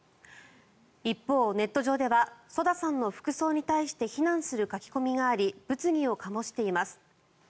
一方、ネット上ではＳＯＤＡさんの服装に対して非難する書き込みがあり物議を醸しています。